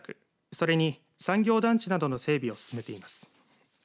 それに産業団地などの整備を進めています。